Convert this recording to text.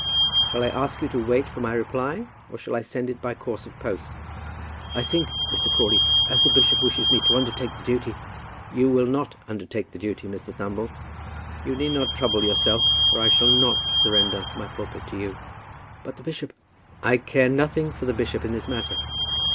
Shall I ask you to wait for my reply, or shall I send it by course of post?" "I think, Mr. Crawley, as the bishop wishes me to undertake the duty " "You will not undertake the duty, Mr. Thumble. You need not trouble yourself, for I shall not surrender my pulpit to you." "But the bishop " "I care nothing for the bishop in this matter."